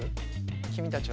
君たちは。